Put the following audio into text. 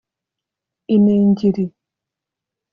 iningiri